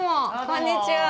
こんにちは。